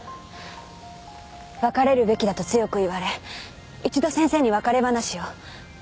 別れるべきだと強く言われ一度先生に別れ話を。